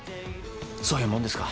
そういうもんですか。